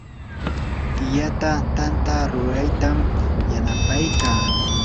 tiyaata tanta ruraytam yanapaykaa.